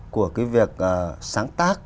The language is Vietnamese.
của cái việc sáng tác